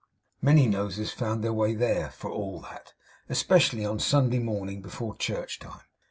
Many noses found their way there, for all that, especially on Sunday morning, before church time.